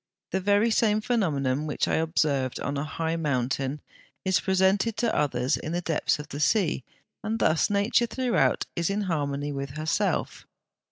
The very same phenomenon which I observed on a high mountain (75) is presented to others in the depths of the sea, and thus Nature throughout is in harmony with herself.